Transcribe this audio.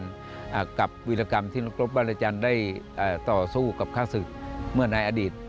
ก็ให้ความสำคัญกับวิทยากรรมที่นักรบบ้านอาจารย์ได้ต่อสู้กับฆ่าศึกเมื่อนายอดีต